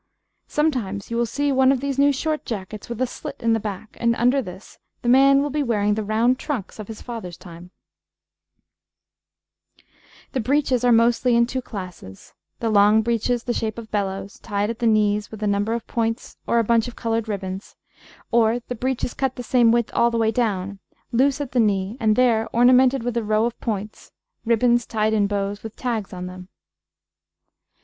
Sometimes you will see one of these new short jackets with a slit in the back, and under this the man will be wearing the round trunks of his father's time. [Illustration: {Two men of the time of Charles I.; a type of jacket; a type of breeches}] The breeches are mostly in two classes the long breeches the shape of bellows, tied at the knee with a number of points or a bunch of coloured ribbons; or the breeches cut the same width all the way down, loose at the knee and there ornamented with a row of points (ribbons tied in bows with tags on them).